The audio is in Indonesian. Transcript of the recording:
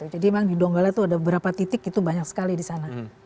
jadi memang di donggala itu ada berapa titik itu banyak sekali di sana